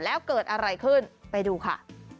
แล้วเกิดอะไรขึ้นไปดูค่ะ